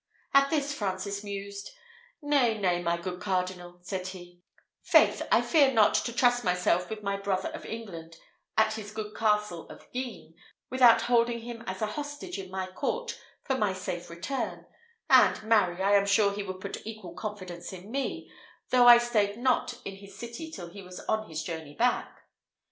At this Francis mused: "Nay, nay, my good lord cardinal," said he, "faith, I fear not to trust myself with my brother of England at his good castle of Guisnes, without holding him as a hostage in my court for my safe return; and, marry, I am sure he would put equal confidence in me, though I stayed not in his city till he was on his journey back."